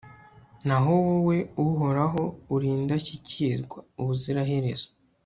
naho wowe, uhoraho, uri indashyikirwa ubuziraherezo